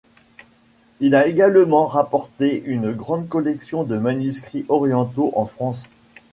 Il a également rapporté une grande collection de manuscrits orientaux en France.